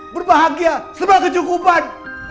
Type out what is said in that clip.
berbahagia sebelah kecukupan